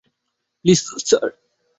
Please, sir!